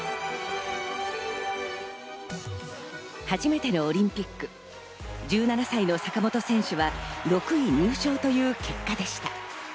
初めてのオリンピック、１７歳の坂本選手は６位入賞という結果でした。